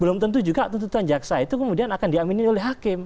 belum tentu juga tuntutan jaksa itu kemudian akan diamini oleh hakim